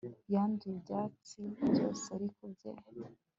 yanduye ibyatsi byose, ariko ibye